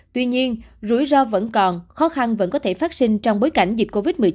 tuy nhiên rủi ro vẫn còn khó khăn vẫn có thể phát sinh trong bối cảnh dịch covid một mươi chín